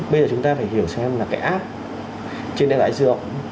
bây giờ chúng ta phải hiểu xem là cái app trên đại dự